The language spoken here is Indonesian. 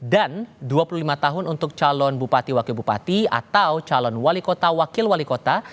dan dua puluh lima tahun untuk calon bupati wakil bupati atau calon wali kota wakil wali kota